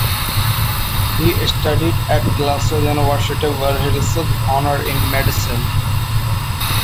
He studied at Glasgow University, where he received honours in medicine.